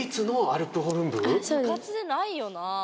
部活でないよな。